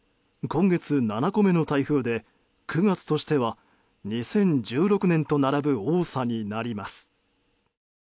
今月７個目の台風で９月としては２０１６年と並ぶ多さになります。